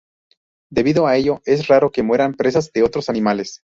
Debido a ello, es raro que mueran presas de otros animales.